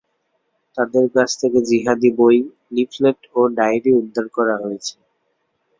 তাঁদের কাছ থেকে জিহাদি বই, লিফলেট ও ডায়েরি উদ্ধার করা হয়েছে।